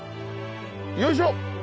よいしょ！